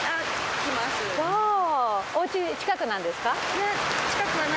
そうお家近くなんですか？